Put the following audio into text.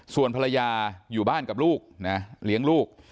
ส่วนภรรยาอยู่บ้านกับลูกนะเลี้ยงลูก